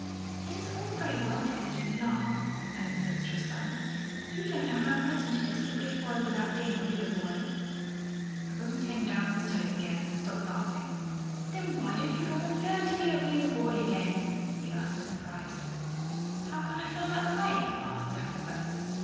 "It is all very well for you to laugh," complained the minstrel's son. "You don't know how unpleasant it is to be a boy without being a real boy." The wymp came down on his toes again and stopped laughing. "Then why don't you go and learn to be a real boy?" he asked in surprise. "How can I find out the way?" asked deaf Robert.